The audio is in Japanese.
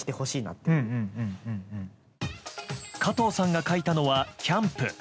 加藤さんが描いたのはキャンプ。